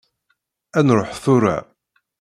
Ad nruḥ tura.